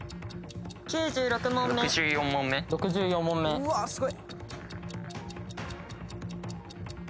うわすごい。